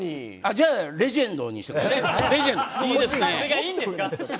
じゃあ、レジェンドにして。